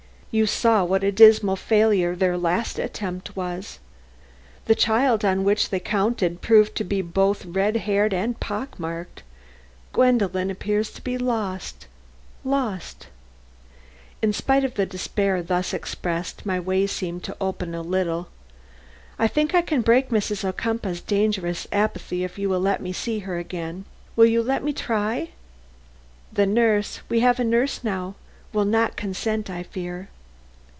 You saw what a dismal failure their last attempt was. The child on which they counted proved to be both red haired and pock marked. Gwendolen appears to be lost, lost." In spite of the despair thus expressed my way seemed to open a little. "I think I can break Mrs. Ocumpaugh's dangerous apathy if you will let me see her again. Will you let me try?" "The nurse we have a nurse now will not consent, I fear."